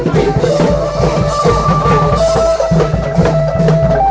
เพื่อรับความรับทราบของคุณ